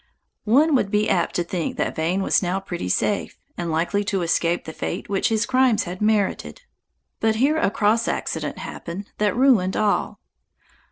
One would be apt to think that Vane was now pretty safe, and likely to escape the fate which his crimes had merited; but here a cross accident happened that ruined all.